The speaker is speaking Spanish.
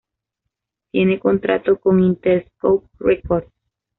Tiene contrato con Interscope Records.